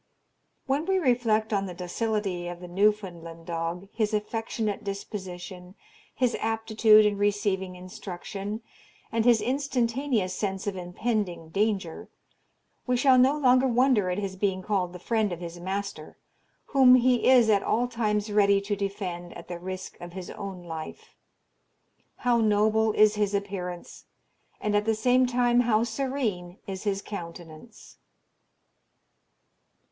When we reflect on the docility of the Newfoundland dog, his affectionate disposition, his aptitude in receiving instruction, and his instantaneous sense of impending danger, we shall no longer wonder at his being called the friend of his master, whom he is at all times ready to defend at the risk of his own life. How noble is his appearance, and at the same time how serene is his countenance!